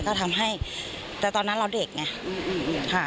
ก็ทำให้แต่ตอนนั้นเราเด็กไง